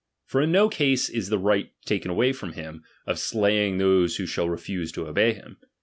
For in no case is the right taken away from him, of slaying those who shall refuse to obey him.